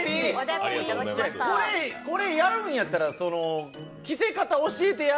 これやるんやったら着せ方、教えてや。